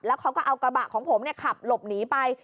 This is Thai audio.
เขาก็เอากระบะของผมขับหลบหนีไป